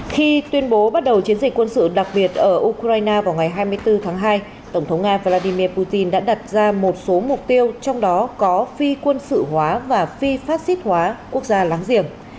khi tuyên bố bắt đầu chiến dịch quân sự đặc biệt ở ukraine vào ngày hai mươi bốn tháng hai tổng thống nga vladimir putin đã đặt ra một số mục tiêu trong đó có phi quân sự hóa và phi phát xít hóa quốc gia láng giềng